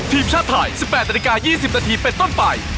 ทีมชาติไทย๑๘นาฬิกา๒๐นาทีเป็นต้นไป